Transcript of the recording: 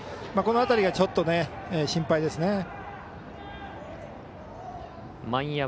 この辺りがちょっと、心配ですね。